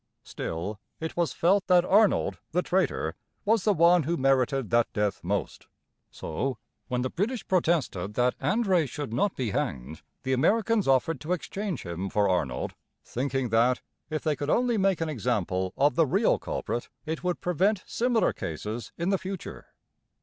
Still, it was felt that Arnold, the traitor, was the one who merited that death most, so when the British protested that André should not be hanged, the Americans offered to exchange him for Arnold, thinking that if they could only make an example of the real culprit it would prevent similar cases in the future.